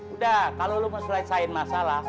udah kalo lu mau selesaikan masalah